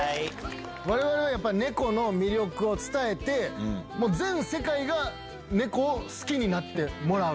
われわれ猫の魅力を伝えて全世界猫を好きになってもらう。